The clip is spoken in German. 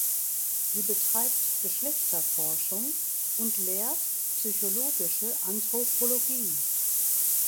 Sie betreibt Geschlechterforschung und lehrt Psychologische Anthropologie.